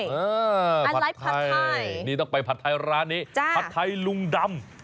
ผัดไทยนี่ต้องไปผัดไทยร้านนี้ผัดไทยลุงดำ